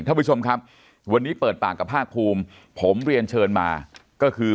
ท่านผู้ชมครับวันนี้เปิดปากกับภาคภูมิผมเรียนเชิญมาก็คือ